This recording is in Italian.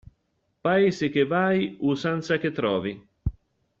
Paese che vai usanza che trovi.